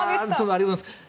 ありがとうございます。